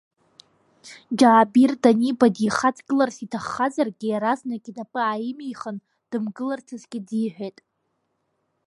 Џьаабир даниба дихаҵгыларц иҭаххазаргьы иаразнак инапы ааимихын дымгыларц азгьы диҳәеит.